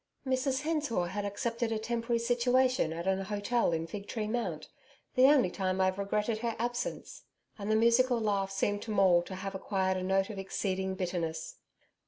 'Mrs Hensor had accepted a temporary situation at an hotel in Fig Tree Mount the only time I've regretted her absence,' and the musical laugh seemed to Maule to have acquired a note of exceeding bitterness.